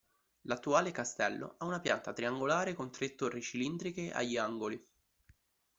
L'attuale castello ha una pianta triangolare, con tre torri cilindriche agli angoli.